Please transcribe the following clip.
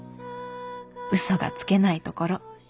嘘がつけないところ。